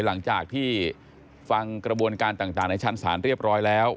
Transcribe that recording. หลังจากที่ฟังกระบวนการต่างในชั้นศาลเรียบร้อยแล้ว